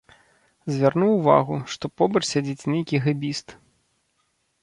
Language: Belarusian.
Звярнуў увагу, што побач сядзіць нейкі гэбіст.